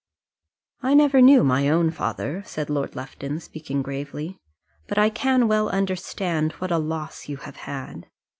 "I never knew my own father," said Lord Lufton, speaking gravely. "But I can well understand what a loss you have had."